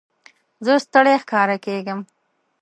زه ستړی ښکاره کېږم.